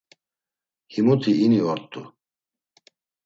Himuti ini ort̆u.